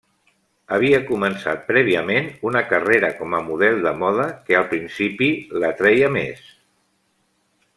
Havia començat prèviament una carrera com a model de moda que, al principi, l'atreia més.